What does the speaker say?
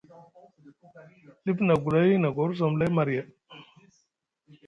Dif na gulay na gorzom lay marya.